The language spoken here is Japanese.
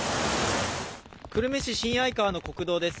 久留米市新合川の国道です。